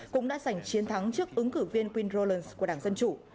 cũng đã giành chiến thắng trước ứng cử viên quinn rollins của đảng dân chủ